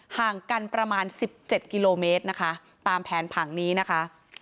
ห่างกันประมาณ๑๗กิโลเมตรนะคะตามแผนผังนี้นะคะ